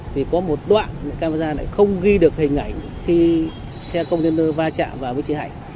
thì có một đoạn camera lại không ghi được hình ảnh khi xe container va chạm vào với chị hạnh